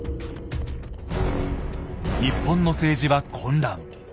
日本の政治は混乱。